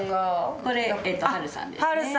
これハルさんですね。